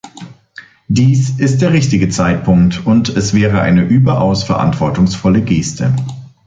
Dies ist der richtige Zeitpunkt, und es wäre eine überaus verantwortungsvolle Geste.